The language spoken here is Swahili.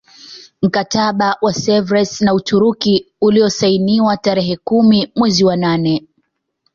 Mkataba wa Sevres na Uturuki uliozsainiwa tarehe kumi mwezi wa nane